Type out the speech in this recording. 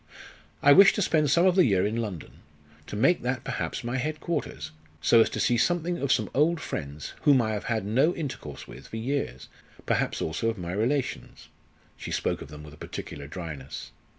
I wish to spend some of the year in London; to make that, perhaps, my headquarters, so as to see something of some old friends whom I have had no intercourse with for years perhaps also of my relations." She spoke of them with a particular dryness.